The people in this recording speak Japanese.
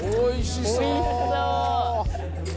おいしそう！